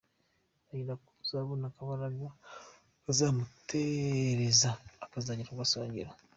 Rahira ko azabona akabaraga kazamutereza akazagera ku gasongero!